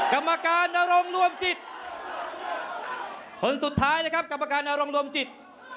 กรรมการนรงรวมจิตคนสุดท้ายนะครับกรรมการนรงรวมจิต